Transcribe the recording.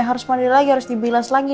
harus mandiri lagi harus dibilas lagi